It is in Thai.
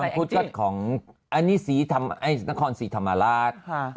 มังคุดก็ของอันนี้นครศรีธรรมราช